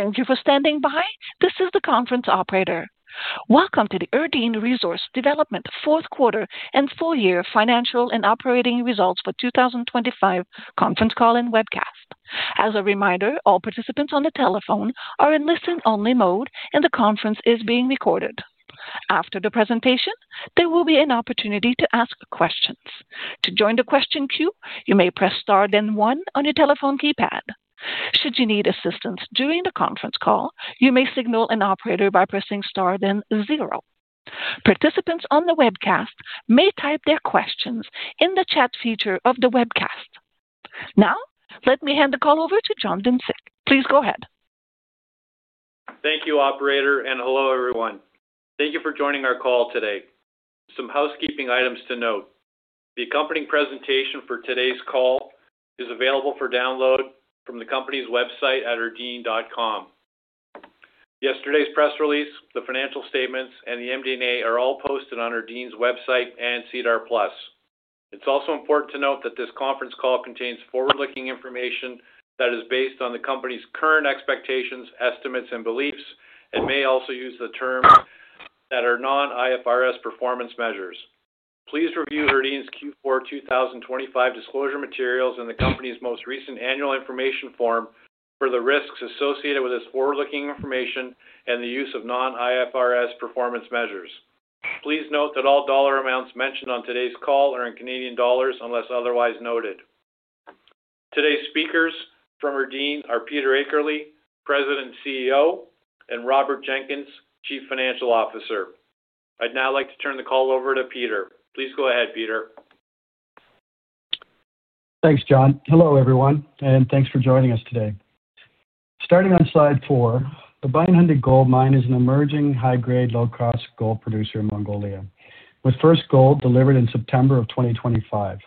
Thank you for standing by. This is the conference operator. Welcome to the Erdene Resource Development fourth quarter and full year financial and operating results for 2025 conference call and webcast. As a reminder, all participants on the telephone are in listen-only mode, and the conference is being recorded. After the presentation, there will be an opportunity to ask questions. To join the question queue, you may press star then one on your telephone keypad. Should you need assistance during the conference call, you may signal an operator by pressing star then zero. Participants on the webcast may type their questions in the chat feature of the webcast. Now, let me hand the call over to John Dymsik. Please go ahead. Thank you, Operator, and hello, everyone. Thank you for joining our call today. Some housekeeping items to note. The accompanying presentation for today's call is available for download from the company's website at erdene.com. Yesterday's press release, the financial statements, and the MD&A are all posted on Erdene's website and SEDAR+. It's also important to note that this conference call contains forward-looking information that is based on the company's current expectations, estimates, and beliefs and may also use the terms that are non-IFRS performance measures. Please review Erdene's Q4 2025 disclosure materials and the company's most recent Annual Information Form for the risks associated with this forward-looking information and the use of non-IFRS performance measures. Please note that all dollar amounts mentioned on today's call are in Canadian dollars unless otherwise noted. Today's speakers from Erdene are Peter Akerley, President and CEO, and Robert Jenkins, Chief Financial Officer. I'd now like to turn the call over to Peter. Please go ahead, Peter. Thanks, John. Hello, everyone, and thanks for joining us today. Starting on slide four, the Bayan Khundii Gold Mine is an emerging high-grade, low-cost gold producer in Mongolia, with first gold delivered in September of 2025.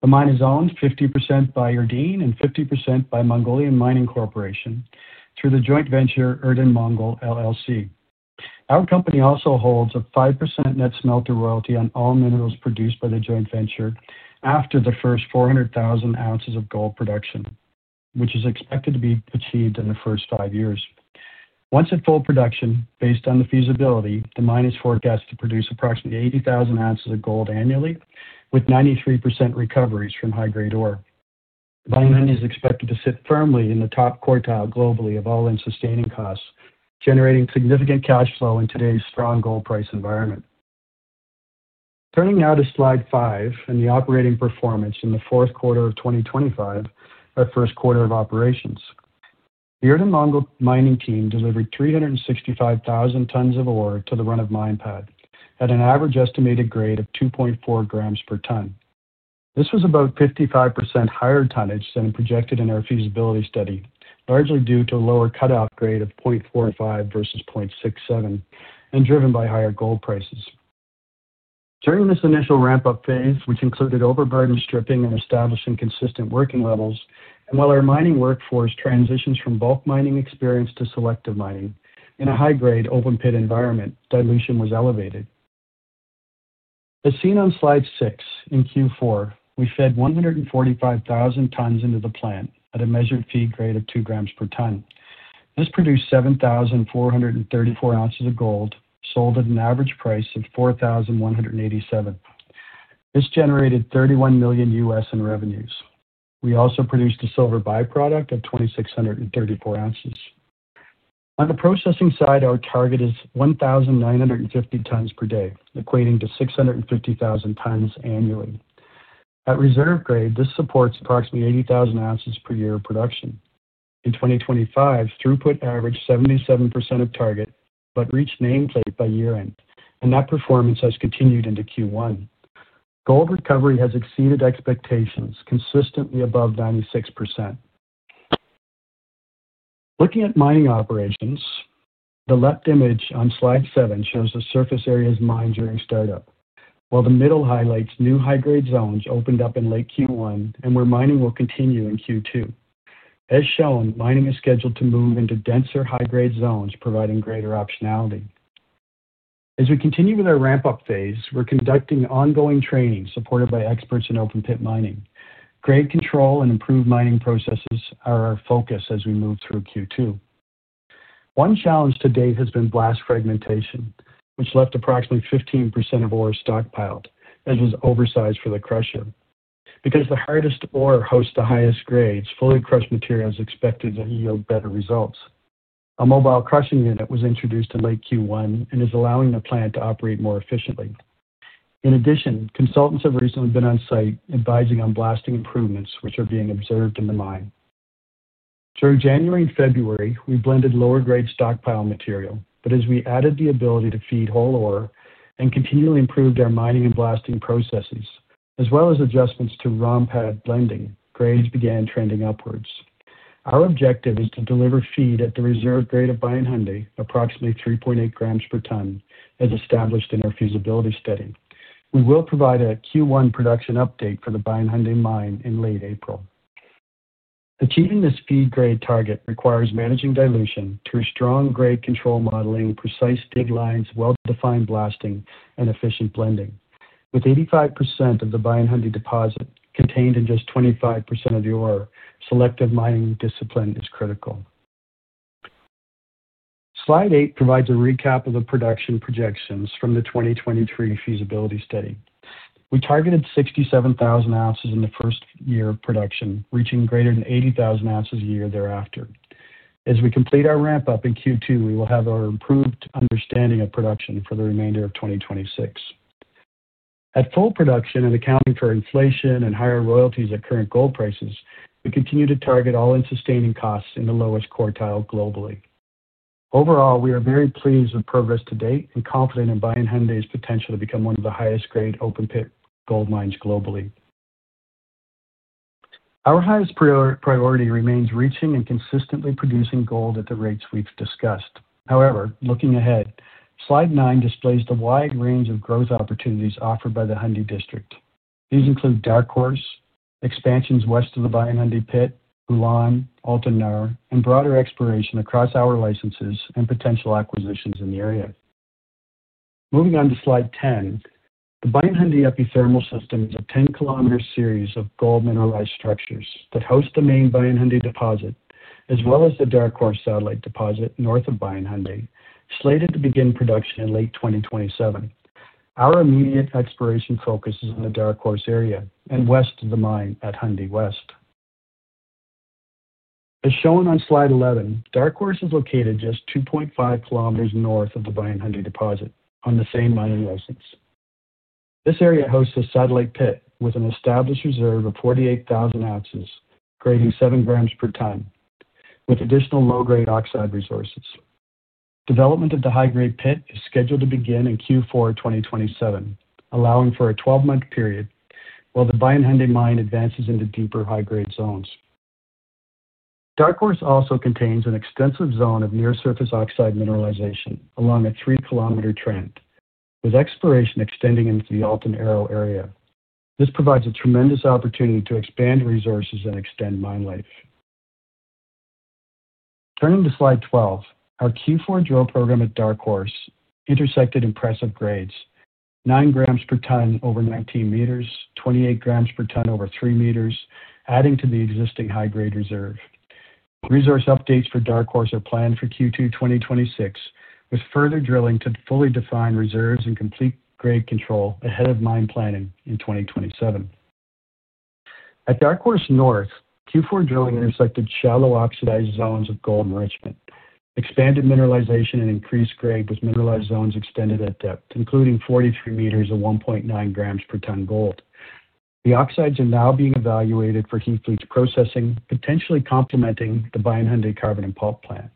The mine is owned 50% by Erdene and 50% by Mongolian Mining Corporation through the joint venture Erdene Mongol LLC. Our company also holds a 5% net smelter royalty on all minerals produced by the joint venture after the first 400,000 oz of gold production, which is expected to be achieved in the first five years. Once at full production, based on the feasibility, the mine is forecast to produce approximately 80,000 oz of gold annually, with 93% recoveries from high-grade ore. Bayan Khundii is expected to sit firmly in the top quartile globally of all-in sustaining costs, generating significant cash flow in today's strong gold price environment. Turning now to slide five and the operating performance in the fourth quarter of 2025, our first quarter of operations. The Erdene Mongol mining team delivered 365,000 tons of ore to the run-of-mine pad at an average estimated grade of 2.4 g per ton. This was about 55% higher tonnage than projected in our feasibility study, largely due to a lower cutoff grade of 0.45 versus 0.67, and driven by higher gold prices. During this initial ramp-up phase, which included overburden stripping and establishing consistent working levels, and while our mining workforce transitions from bulk mining experience to selective mining in a high-grade open pit environment, dilution was elevated. As seen on slide six, in Q4, we fed 145,000 tons into the plant at a measured feed grade of 2 g per ton. This produced 7,434 oz of gold, sold at an average price of 4,187. This generated $31 million in revenues. We also produced a silver byproduct of 2,634 oz. On the processing side, our target is 1,950 tons per day, equating to 650,000 tons annually. At reserve grade, this supports approximately 80,000 oz per year of production. In 2025, throughput averaged 77% of target but reached nameplate by year-end, and that performance has continued into Q1. Gold recovery has exceeded expectations consistently above 96%. Looking at mining operations, the left image on slide seven shows the surface areas mined during startup, while the middle highlights new high-grade zones opened up in late Q1 and where mining will continue in Q2. As shown, mining is scheduled to move into denser high-grade zones, providing greater optionality. As we continue with our ramp-up phase, we're conducting ongoing training supported by experts in open pit mining. Grade control and improved mining processes are our focus as we move through Q2. One challenge to date has been blast fragmentation, which left approximately 15% of ore stockpiled, which was oversized for the crusher. Because the hardest ore hosts the highest grades, fully crushed material is expected to yield better results. A mobile crushing unit was introduced in late Q1 and is allowing the plant to operate more efficiently. In addition, consultants have recently been on-site advising on blasting improvements which are being observed in the mine. Through January and February, we blended lower grade stockpile material, but as we added the ability to feed whole ore and continually improved our mining and blasting processes, as well as adjustments to ROM pad blending, grades began trending upwards. Our objective is to deliver feed at the reserve grade of Bayan Khundii, approximately 3.8 g per ton, as established in our feasibility study. We will provide a Q1 production update for the Bayan Khundii mine in late April. Achieving this feed grade target requires managing dilution through strong grade control modeling, precise dig lines, well-defined blasting, and efficient blending. With 85% of the Bayan Khundii deposit contained in just 25% of the ore, selective mining discipline is critical. Slide eight provides a recap of the production projections from the 2023 feasibility study. We targeted 67,000 oz in the first year of production, reaching greater than 80,000 oz a year thereafter. As we complete our ramp up in Q2, we will have our improved understanding of production for the remainder of 2026. At full production and accounting for inflation and higher royalties at current gold prices, we continue to target all-in sustaining costs in the lowest quartile globally. Overall, we are very pleased with progress to date and confident in Bayan Khundii's potential to become one of the highest-grade open pit gold mines globally. Our highest priority remains reaching and consistently producing gold at the rates we've discussed. However, looking ahead, Slide nine displays the wide range of growth opportunities offered by the Khundii District. These include Dark Horse, expansions west of the Bayan Khundii pit, Ulaan, Altan Nar, and broader exploration across our licenses and potential acquisitions in the area. Moving on to slide 10. The Bayan Khundii epithermal system is a 10 km series of gold mineralized structures that host the main Bayan Khundii deposit, as well as the Dark Horse satellite deposit north of Bayan Khundii, slated to begin production in late 2027. Our immediate exploration focus is on the Dark Horse area and west of the mine at Khundii West. As shown on slide 11, Dark Horse is located just 2.5 km north of the Bayan Khundii deposit on the same mining license. This area hosts a satellite pit with an established reserve of 48,000 oz, grading 7 g per ton, with additional low-grade oxide resources. Development of the high-grade pit is scheduled to begin in Q4 2027, allowing for a 12-month period while the Bayan Khundii mine advances into deeper high-grade zones. Dark Horse also contains an extensive zone of near-surface oxide mineralization along a 3 km trend, with exploration extending into the Altan Nar area. This provides a tremendous opportunity to expand resources and extend mine life. Turning to slide 12, our Q4 drill program at Dark Horse intersected impressive grades, 9 g per ton over 19 m, 28 g per ton over 3 m, adding to the existing high-grade reserve. Resource updates for Dark Horse are planned for Q2 2026, with further drilling to fully define reserves and complete grade control ahead of mine planning in 2027. At Dark Horse North, Q4 drilling intersected shallow oxidized zones of gold enrichment, expanded mineralization and increased grade with mineralized zones extended at depth, including 43 m of 1.9 g per ton gold. The oxides are now being evaluated for heap leach processing, potentially complementing the Bayan Khundii carbon-in-pulp plant.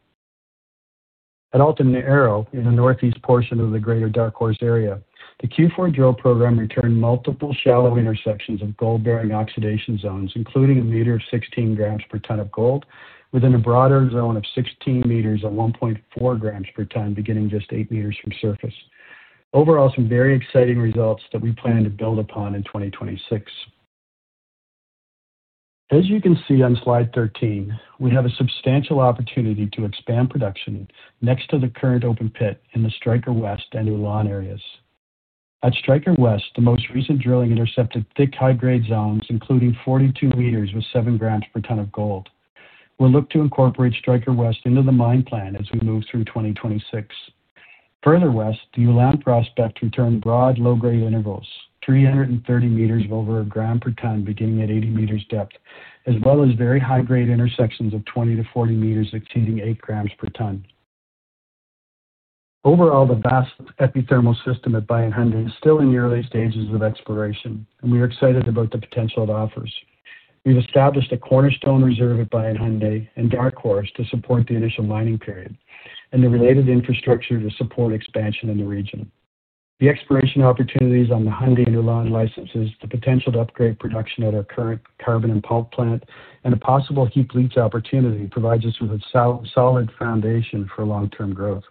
At Altan Nar, in the northeast portion of the greater Dark Horse area, the Q4 drill program returned multiple shallow intersections of gold-bearing oxidation zones, including a meter of 16 g per ton of gold, within a broader zone of 16 m at 1.4 g per ton, beginning just 8 m from surface. Overall, some very exciting results that we plan to build upon in 2026. As you can see on slide 13, we have a substantial opportunity to expand production next to the current open pit in the Striker West and Ulaan areas. At Striker West, the most recent drilling intercepted thick high-grade zones, including 42 m with 7 g per ton of gold. We'll look to incorporate Striker West into the mine plan as we move through 2026. Further west, the Ulaan prospect returned broad low-grade intervals, 330 m of over 1 g per ton beginning at 80 m depth, as well as very high-grade intersections of 20 m to 40 m exceeding 8 g per ton. Overall, the vast epithermal system at Bayan Khundii is still in the early stages of exploration, and we are excited about the potential it offers. We've established a cornerstone reserve at Bayan Khundii and Dark Horse to support the initial mining period and the related infrastructure to support expansion in the region. The exploration opportunities on the Khundii and Ulaan licenses, the potential to upgrade production at our current carbon-in-pulp plant, and a possible heap leach opportunity provides us with a solid foundation for long-term growth.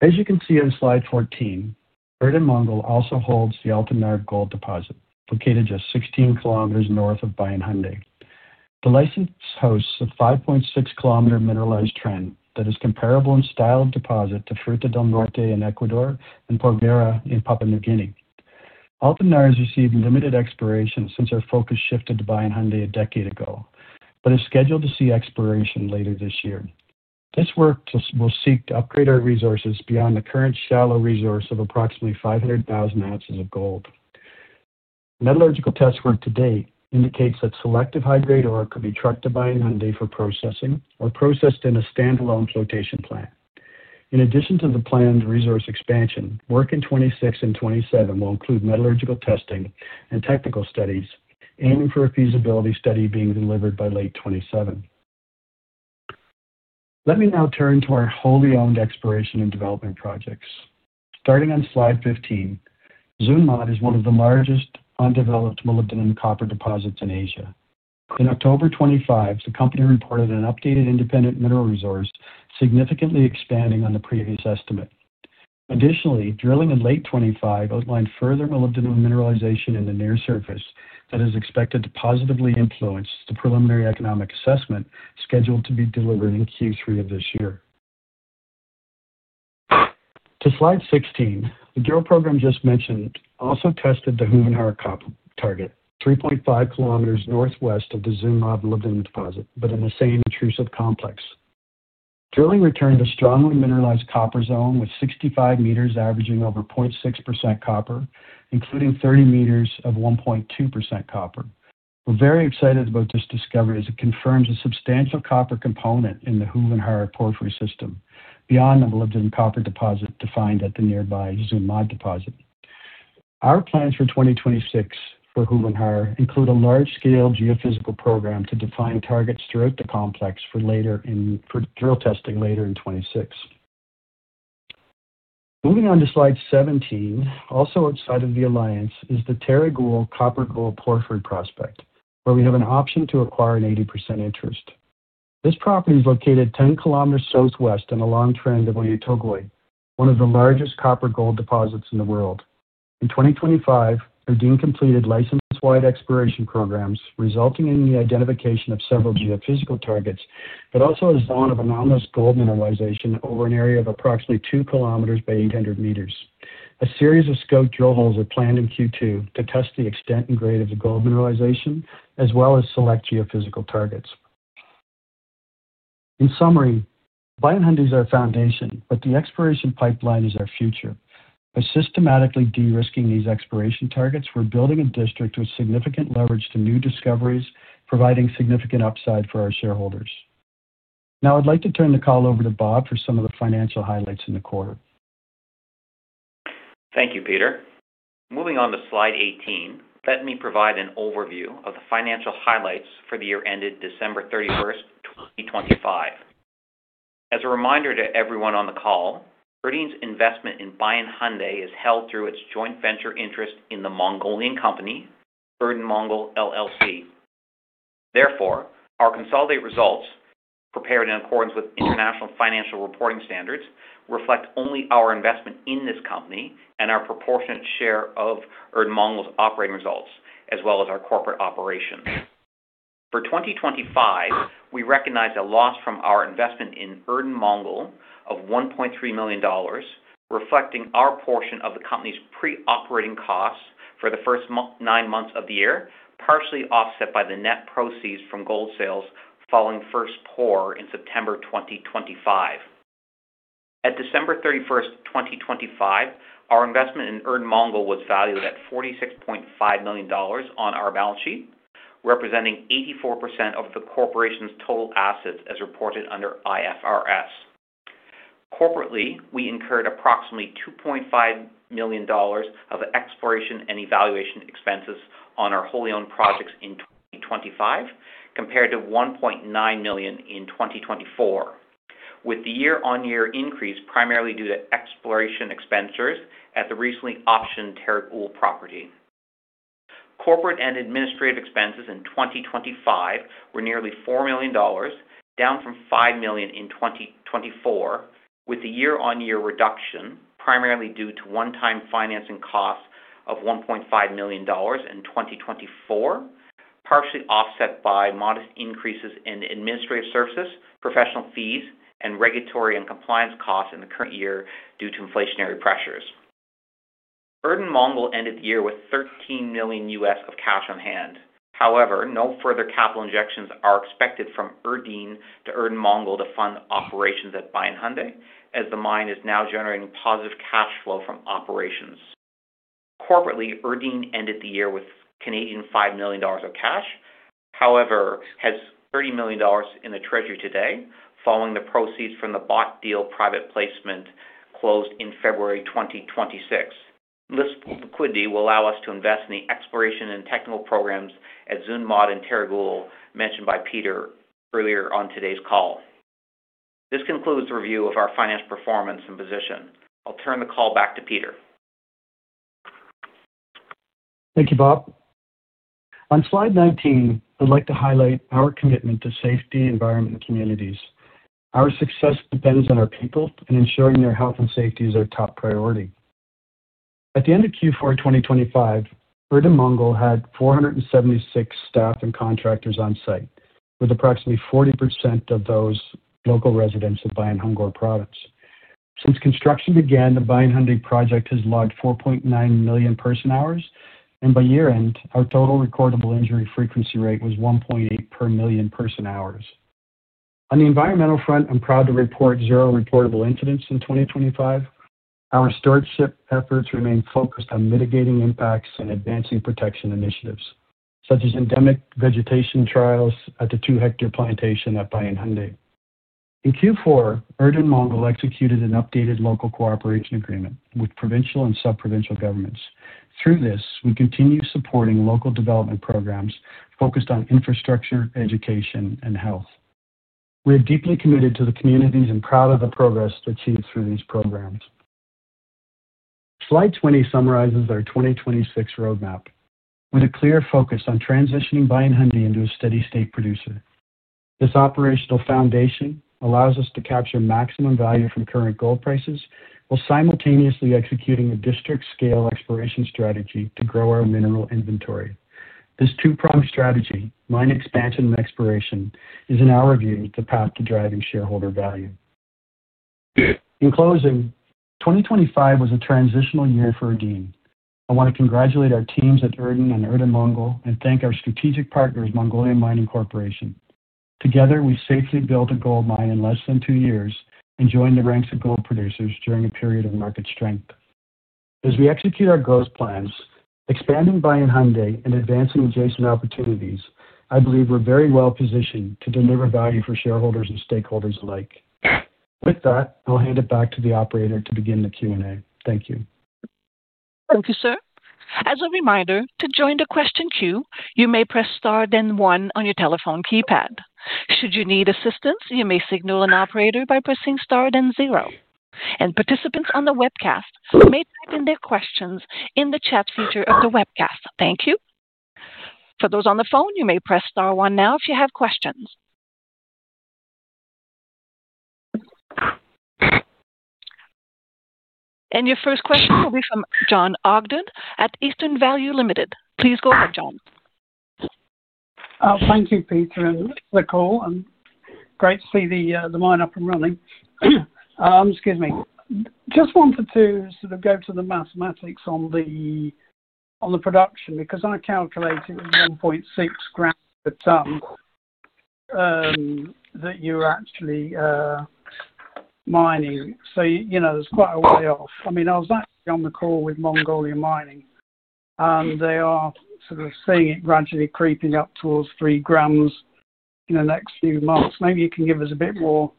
As you can see on slide 14, Erdene Mongol also holds the Altan Nar gold deposit, located just 16 km north of Bayan Khundii. The license hosts a 5.6 km mineralized trend that is comparable in style of deposit to Fruta del Norte in Ecuador and Porgera in Papua New Guinea. Altan Nar has received limited exploration since our focus shifted to Bayan Khundii a decade ago but is scheduled to see exploration later this year. This work will seek to upgrade our resources beyond the current shallow resource of approximately 500,000 oz of gold. Metallurgical test work to date indicates that selective high-grade ore could be trucked to Bayan Khundii for processing or processed in a standalone flotation plant. In addition to the planned resource expansion, work in 2026 and 2027 will include metallurgical testing and technical studies aiming for a feasibility study being delivered by late 2027. Let me now turn to our wholly owned exploration and development projects. Starting on slide 15, Zuun Mod is one of the largest undeveloped molybdenum copper deposits in Asia. In October 2025, the company reported an updated independent mineral resource, significantly expanding on the previous estimate. Drilling in late 2025 outlined further molybdenum mineralization in the near surface that is expected to positively influence the preliminary economic assessment scheduled to be delivered in Q3 of this year. To slide 16. The drill program just mentioned also tested the Khuvyn Khar copper target, 3.5 km northwest of the Zuun Mod lode deposit, but in the same intrusive complex. Drilling returned a strongly mineralized copper zone with 65 m averaging over 0.6% copper, including 30 m of 1.2% copper. We're very excited about this discovery as it confirms a substantial copper component in the Khuvyn Khar porphyry system beyond the lode copper deposit defined at the nearby Zuun Mod deposit. Our plans for 2026 for Khuvyn Khar include a large-scale geophysical program to define targets throughout the complex for drill testing later in 2026. Moving on to slide 17. Also outside of the alliance is the Teeg Uul copper-gold porphyry prospect, where we have an option to acquire an 80% interest. This property is located 10 km southwest along the trend of Oyu Tolgoi, one of the largest copper gold deposits in the world. In 2025, Erdene completed license-wide exploration programs, resulting in the identification of several geophysical targets, but also a zone of anomalous gold mineralization over an area of approximately 2 km by 800 m. A series of scope drill holes are planned in Q2 to test the extent and grade of the gold mineralization, as well as select geophysical targets. In summary, Bayan Khundii is our foundation, but the exploration pipeline is our future. By systematically de-risking these exploration targets, we're building a district with significant leverage to new discoveries, providing significant upside for our shareholders. Now, I'd like to turn the call over to Bob for some of the financial highlights in the quarter. Thank you, Peter. Moving on to slide 18, let me provide an overview of the financial highlights for the year ended December 31st, 2025. As a reminder to everyone on the call, Erdene's investment in Bayan Khundii is held through its joint venture interest in the Mongolian company, Erdene Mongol LLC. Therefore, our consolidated results prepared in accordance with International Financial Reporting Standards reflect only our investment in this company and our proportionate share of Erdene Mongol's operating results, as well as our corporate operations. For 2025, we recognized a loss from our investment in Erdene Mongol of 1.3 million dollars, reflecting our portion of the company's pre-operating costs for the first nine months of the year, partially offset by the net proceeds from gold sales following first pour in September 2025. At December 31st, 2025, our investment in Erdene Mongol was valued at 46.5 million dollars on our balance sheet, representing 84% of the corporation's total assets as reported under IFRS. Corporately, we incurred approximately 2.5 million dollars of exploration and evaluation expenses on our wholly owned projects in 2025, compared to 1.9 million in 2024, with the year-on-year increase primarily due to exploration expenditures at the recently optioned Teeg Uul property. Corporate and administrative expenses in 2025 were nearly 4 million dollars, down from 5 million in 2024, with the year-on-year reduction primarily due to one-time financing costs of 1.5 million dollars in 2024, partially offset by modest increases in administrative services, professional fees, and regulatory and compliance costs in the current year due to inflationary pressures. Erdene Mongol ended the year with $13 million of cash on hand. However, no further capital injections are expected from Erdene to Erdene Mongol to fund operations at Bayan Khundii, as the mine is now generating positive cash flow from operations. Corporately, Erdene ended the year with 5 million Canadian dollars of cash. However, Erdene has 30 million dollars in the treasury today following the proceeds from the bought deal private placement closed in February 2026. This liquidity will allow us to invest in the exploration and technical programs at Zuun Mod and Teeg Uul mentioned by Peter earlier on today's call. This concludes the review of our financial performance and position. I'll turn the call back to Peter. Thank you, Bob. On slide 19, I'd like to highlight our commitment to safety, environment, and communities. Our success depends on our people and ensuring their health and safety is our top priority. At the end of Q4 2025, Erdene Mongol had 476 staff and contractors on site, with approximately 40% of those local residents of Bayan Khundii project. Since construction began, the Bayan Khundii project has logged 4.9 million person-hours, and by year-end, our total recordable injury frequency rate was 1.8 per million person-hours. On the environmental front, I'm proud to report zero reportable incidents in 2025. Our stewardship efforts remain focused on mitigating impacts and advancing protection initiatives, such as endemic vegetation trials at the 2 ha plantation at Bayan Khundii. In Q4, Erdene Mongol executed an updated local cooperation agreement with provincial and sub-provincial governments. Through this, we continue supporting local development programs focused on infrastructure, education, and health. We are deeply committed to the communities and proud of the progress achieved through these programs. Slide 20 summarizes our 2026 roadmap with a clear focus on transitioning Bayan Khundii into a steady state producer. This operational foundation allows us to capture maximum value from current gold prices while simultaneously executing a district scale exploration strategy to grow our mineral inventory. This two-pronged strategy, mine expansion and exploration, is in our view, the path to driving shareholder value. In closing, 2025 was a transitional year for Erdene. I want to congratulate our teams at Erdene and Erdene Mongol, and thank our strategic partners, Mongolian Mining Corporation. Together, we safely built a gold mine in less than two years and joined the ranks of gold producers during a period of market strength. As we execute our growth plans, expanding Bayan Khundii and advancing adjacent opportunities, I believe we're very well positioned to deliver value for shareholders and stakeholders alike. With that, I'll hand it back to the operator to begin the Q&A. Thank you. Thank you, sir. As a reminder, to join the question queue, you may press star then one on your telephone keypad. Should you need assistance, you may signal an operator by pressing star then zero. Participants on the webcast may type in their questions in the chat feature of the webcast. Thank you. For those on the phone, you may press star one now if you have questions. Your first question will be from John Ogden at Eastern Value Limited. Please go ahead, John. Thank you, Peter, and for the call, and great to see the mine up and running. Excuse me. Just wanted to sort of go to the mathematics on the production because I calculated 1.6 g per ton that you're actually mining. So, you know, it's quite a way off. I mean, I was actually on the call with Mongolian Mining Corporation. They are sort of seeing it gradually creeping up towards 3 g in the next few months. Maybe you can give us a bit more,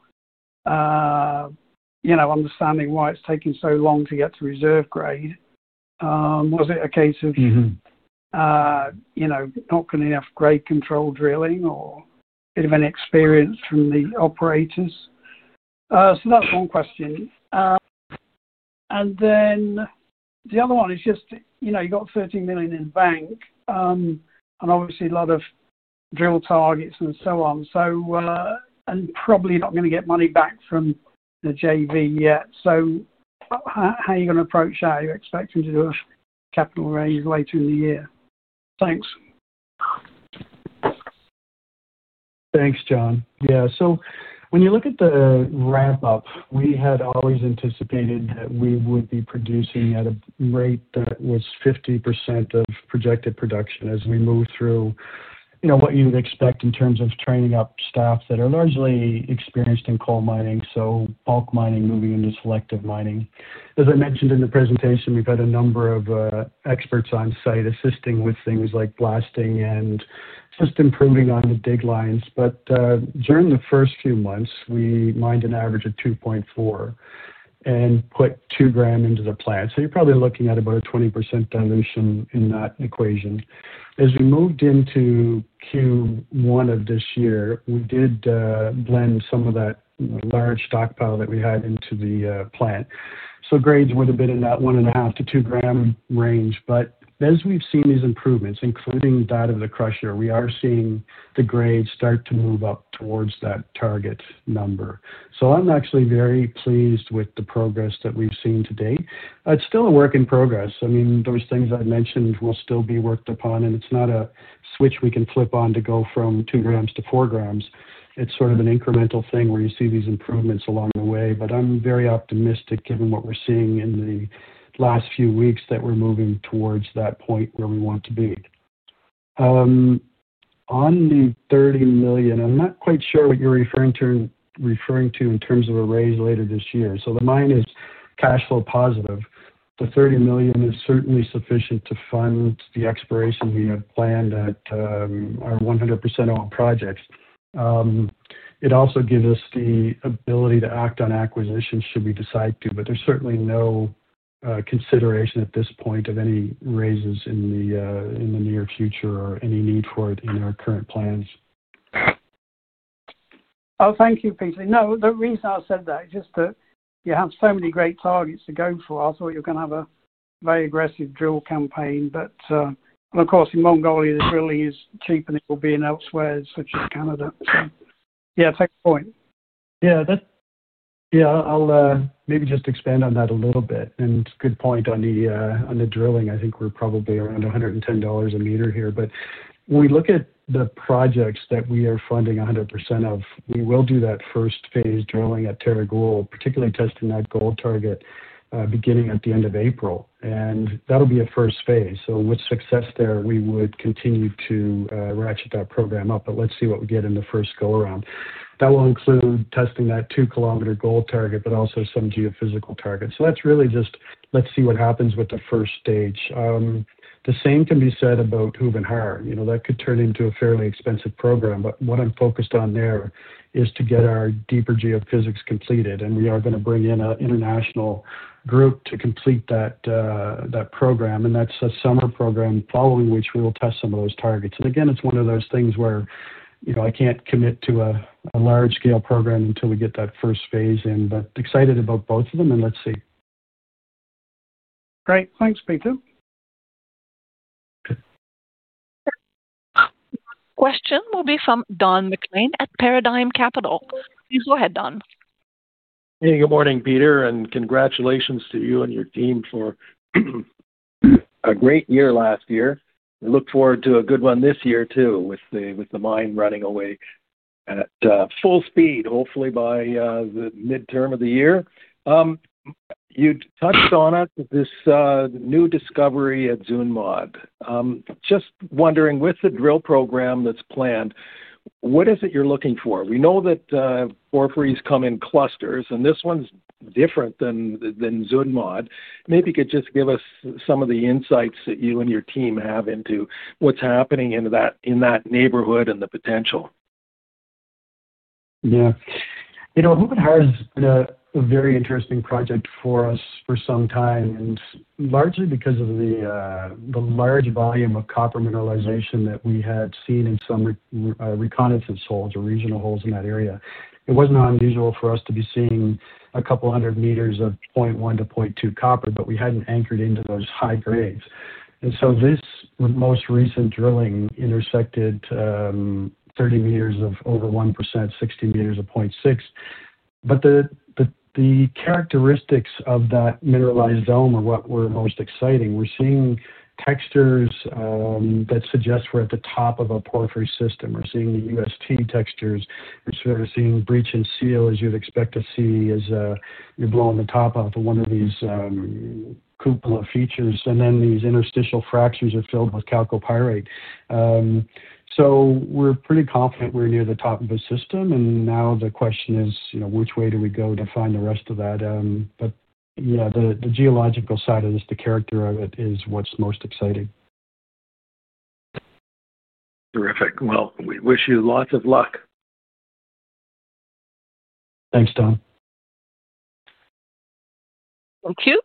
you know, understanding why it's taking so long to get to reserve grade. Was it a case of- Mm-hmm You know, not getting enough grade control drilling or bit of inexperience from the operators? That's one question. The other one is just, you know, you got 30 million in bank, and obviously a lot of drill targets and so on. Probably not gonna get money back from the JV yet. How are you gonna approach that? Are you expecting to do a capital raise later in the year? Thanks. Thanks, John. Yeah. When you look at the ramp up, we had always anticipated that we would be producing at a rate that was 50% of projected production as we move through, you know, what you would expect in terms of training up staff that are largely experienced in coal mining, so bulk mining moving into selective mining. As I mentioned in the presentation, we've had a number of experts on site assisting with things like blasting and just improving on the dig lines. During the first few months, we mined an average of 2.4 g and put 2 g into the plant. You're probably looking at about a 20% dilution in that equation. As we moved into Q1 of this year, we did blend some of that large stockpile that we had into the plant. Grades would have been in that 1.5 g to 2 g range. As we've seen these improvements, including that of the crusher, we are seeing the grades start to move up towards that target number. I'm actually very pleased with the progress that we've seen to date. It's still a work in progress. I mean, those things I mentioned will still be worked upon, and it's not a switch we can flip on to go from 2 g to 4 g. It's sort of an incremental thing where you see these improvements along the way. I'm very optimistic given what we're seeing in the last few weeks that we're moving towards that point where we want to be. On the 30 million, I'm not quite sure what you're referring to in terms of a raise later this year. The mine is cash flow positive. The 30 million is certainly sufficient to fund the exploration we have planned at our 100% owned projects. It also gives us the ability to act on acquisitions should we decide to, but there's certainly no consideration at this point of any raises in the near future or any need for it in our current plans. Oh, thank you, Peter. No, the reason I said that is just that you have so many great targets to go for. I thought you're gonna have a very aggressive drill campaign. Of course, in Mongolia, the drilling is cheaper than it will be elsewhere, such as Canada. Yeah, take the point. Yeah, I'll maybe just expand on that a little bit. Good point on the drilling. I think we're probably around 110 dollars a meter here. When we look at the projects that we are funding 100% of, we will do that first phase drilling at Teeg Uul, particularly testing that gold target, beginning at the end of April. That'll be a first phase. With success there, we would continue to ratchet that program up, but let's see what we get in the first go around. That will include testing that 2 km gold target, but also some geophysical targets. That's really just, let's see what happens with the first stage. The same can be said about Khuvyn Khar. You know, that could turn into a fairly expensive program, but what I'm focused on there is to get our deeper geophysics completed, and we are gonna bring in an international group to complete that program. That's a summer program following which we will test some of those targets. Again, it's one of those things where, you know, I can't commit to a large scale program until we get that first phase in, but excited about both of them and let's see. Great. Thanks, Peter. Question will be from Don MacLean at Paradigm Capital. Please go ahead, Don. Hey, good morning, Peter, and congratulations to you and your team for a great year last year. We look forward to a good one this year too, with the mine running away at full speed, hopefully by the midterm of the year. You touched on it, this new discovery at Zuun Mod. Just wondering, with the drill program that's planned, what is it you're looking for? We know that porphyries come in clusters, and this one's different than Zuun Mod. Maybe you could just give us some of the insights that you and your team have into what's happening in that neighborhood and the potential. Yeah. You know, Khuvyn Khar has been a very interesting project for us for some time, and largely because of the large volume of copper mineralization that we had seen in some reconnaissance holes or regional holes in that area. It was not unusual for us to be seeing a couple hundred meters of 0.1%-0.2% copper, but we hadn't anchored into those high grades. This most recent drilling intersected 30 m of over 1%, 60 m of 0.6%. The characteristics of that mineralized dome are what were most exciting. We're seeing textures that suggest we're at the top of a porphyry system. We're seeing the UST textures. We're sort of seeing brecciate and seal, as you'd expect to see as you're blowing the top off of one of these cupola features. These interstitial fractures are filled with chalcopyrite. We're pretty confident we're near the top of the system, and now the question is, you know, which way do we go to find the rest of that? Yeah, the geological side of this, the character of it is what's most exciting. Terrific. Well, we wish you lots of luck. Thanks, Don. Thank you.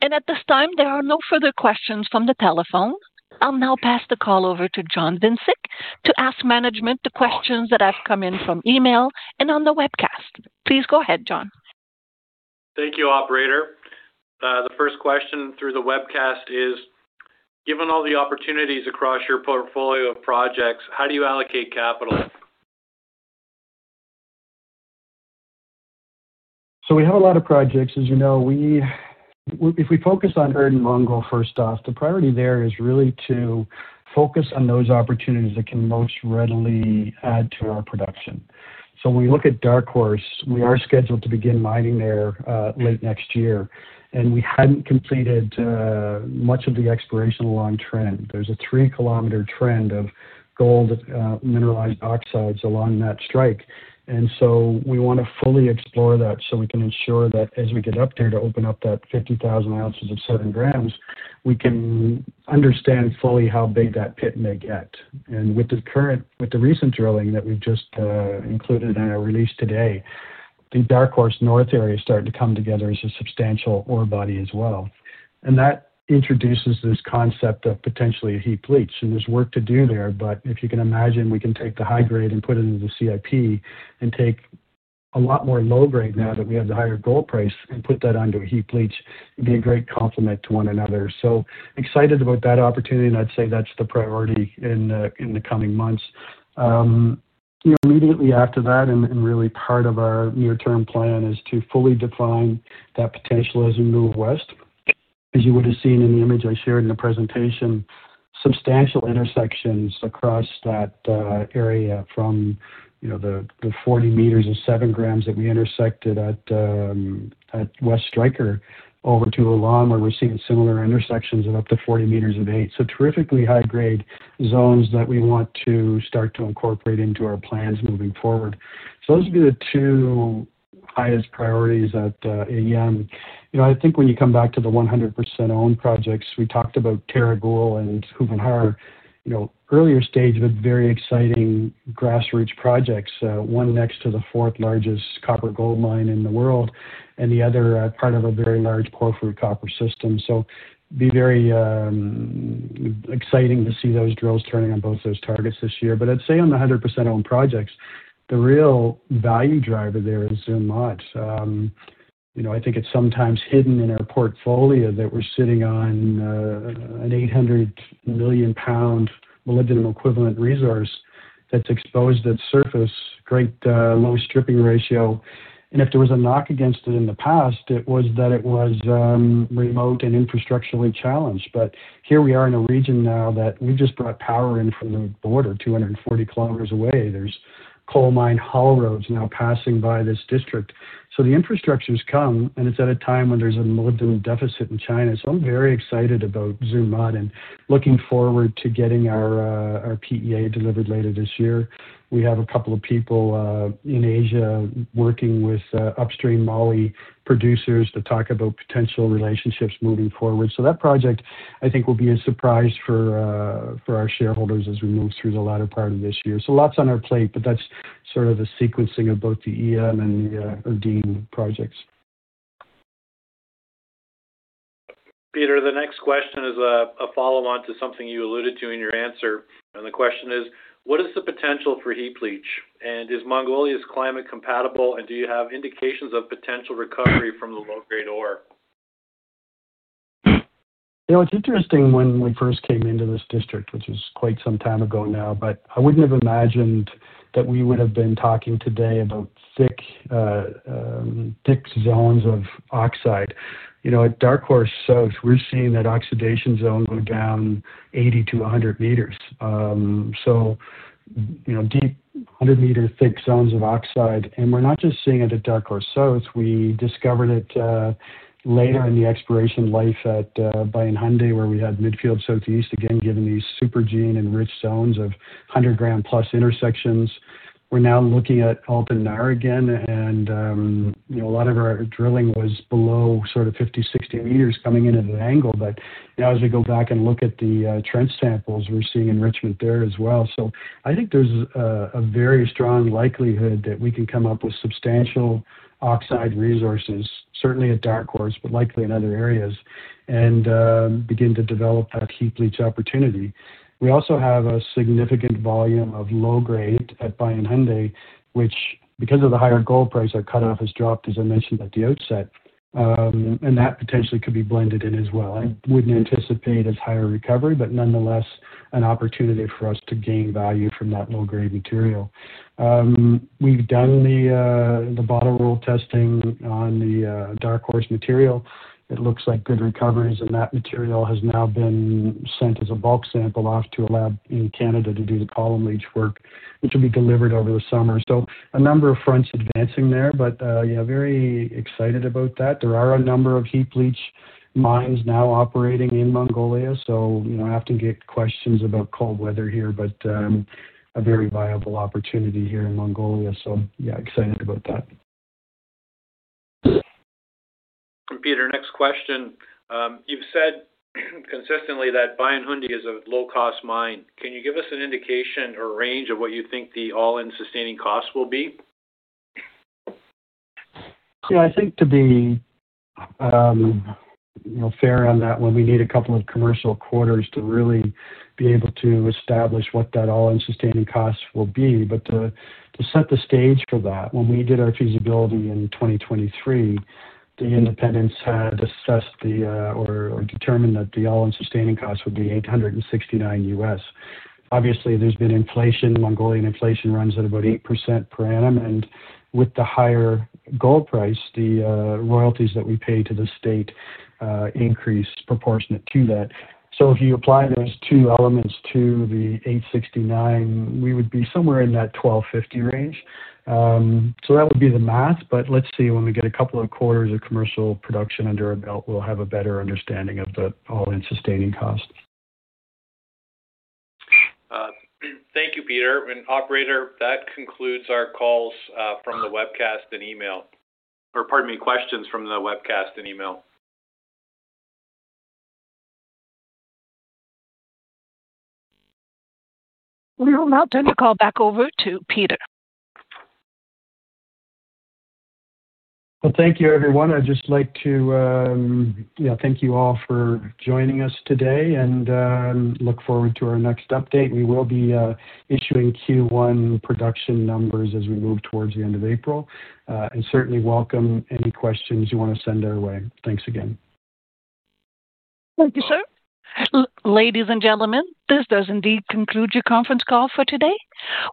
At this time, there are no further questions from the telephone. I'll now pass the call over to John Dymsik to ask management the questions that have come in from email and on the webcast. Please go ahead, John. Thank you, Operator. The first question through the webcast is, given all the opportunities across your portfolio of projects, how do you allocate capital? We have a lot of projects. As you know, if we focus on Erdene Mongol first off, the priority there is really to focus on those opportunities that can most readily add to our production. We look at Dark Horse. We are scheduled to begin mining there late next year, and we hadn't completed much of the exploration along trend. There's a 3 km trend of gold mineralized oxides along that strike. We want to fully explore that so we can ensure that as we get up there to open up that 50,000 oz of 7 g, we can understand fully how big that pit may get. With the recent drilling that we've just included in our release today, the Dark Horse North area is starting to come together as a substantial ore body as well. that introduces this concept of potentially a heap leach. There's work to do there, but if you can imagine, we can take the high grade and put it into the CIP and take a lot more low grade now that we have the higher gold price and put that under a heap leach. It'd be a great complement to one another. Excited about that opportunity, and I'd say that's the priority in the coming months. Immediately after that and really part of our near-term plan is to fully define that potential as we move west. As you would have seen in the image I shared in the presentation, substantial intersections across that area from, you know, the 40 m of 7 g that we intersected at Striker West over to Ulaan, where we're seeing similar intersections of up to 40 m of 8 g. Terrifically high-grade zones that we want to start to incorporate into our plans moving forward. Those would be the two highest priorities at EM. You know, I think when you come back to the 100% owned projects, we talked about Teeg Uul and Khuvyn Khar, you know, earlier stage, but very exciting grassroots projects, one next to the fourth largest copper gold mine in the world and the other part of a very large porphyry copper system. It'll be very exciting to see those drills turning on both those targets this year. I'd say on the 100% owned projects, the real value driver there is Zuun Mod. You know, I think it's sometimes hidden in our portfolio that we're sitting on an 800 million pound molybdenum equivalent resource that's exposed at surface, great low stripping ratio. If there was a knock against it in the past, it was that it was remote and infrastructurally challenged. Here we are in a region now that we just brought power in from the border, 240 km away. There's coal mine haul roads now passing by this district. The infrastructure's come, and it's at a time when there's a molybdenum deficit in China. I'm very excited about Zuun Mod and looking forward to getting our PEA delivered later this year. We have a couple of people in Asia working with upstream moly producers to talk about potential relationships moving forward. That project, I think, will be a surprise for our shareholders as we move through the latter part of this year. Lots on our plate, but that's sort of the sequencing of both the EM and the Erdene projects. Peter, the next question is a follow-on to something you alluded to in your answer. The question is, what is the potential for heap leach? Is Mongolia's climate compatible? Do you have indications of potential recovery from the low-grade ore? You know, it's interesting when we first came into this district, which is quite some time ago now, but I wouldn't have imagined that we would have been talking today about thick zones of oxide. You know, at Dark Horse South, we're seeing that oxidation zone go down 80 m to 100 m. You know, deep 100 m thick zones of oxide. We're not just seeing it at Dark Horse South. We discovered it later in the exploration life at Bayan Khundii, where we had midfield south to east again, given these supergene enriched zones of 100 g+ intersections. We're now looking at Altan Nar again, and you know, a lot of our drilling was below sort of 50 m, 60 m coming in at an angle. Now, as we go back and look at the trench samples, we're seeing enrichment there as well. I think there's a very strong likelihood that we can come up with substantial oxide resources, certainly at Dark Horse, but likely in other areas, and begin to develop that heap leach opportunity. We also have a significant volume of low grade at Bayan Khundii, which, because of the higher gold price, our cutoff has dropped, as I mentioned at the outset, and that potentially could be blended in as well. I wouldn't anticipate as high a recovery, but nonetheless an opportunity for us to gain value from that low-grade material. We've done the bottle roll testing on the Dark Horse material. It looks like good recoveries, and that material has now been sent as a bulk sample off to a lab in Canada to do the column leach work, which will be delivered over the summer. A number of fronts advancing there. Yeah, very excited about that. There are a number of heap leach mines now operating in Mongolia, so, you know, I often get questions about cold weather here, but, a very viable opportunity here in Mongolia. Yeah, excited about that. Peter, next question. You've said consistently that Bayan Khundii is a low-cost mine. Can you give us an indication or range of what you think the all-in sustaining costs will be? Yeah, I think to be, you know, fair on that one, we need a couple of commercial quarters to really be able to establish what that all-in sustaining costs will be. To set the stage for that, when we did our feasibility in 2023, the independents had assessed the or determined that the all-in sustaining costs would be $869. Obviously, there's been inflation. Mongolian inflation runs at about 8% per annum. With the higher gold price, the royalties that we pay to the state increase proportionate to that. If you apply those two elements to the $869, we would be somewhere in that $1,250 range. That would be the math. Let's see. When we get a couple of quarters of commercial production under our belt, we'll have a better understanding of the all-in sustaining costs. Thank you, Peter. Operator, that concludes our calls from the webcast and email. Pardon me, questions from the webcast and email. We will now turn the call back over to Peter. Well, thank you, everyone. I'd just like to, you know, thank you all for joining us today and look forward to our next update. We will be issuing Q1 production numbers as we move towards the end of April. Certainly welcome any questions you want to send our way. Thanks again. Thank you, sir. Ladies and gentlemen, this does indeed conclude your conference call for today.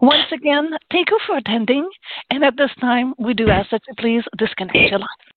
Once again, thank you for attending. At this time, we do ask that you please disconnect your line.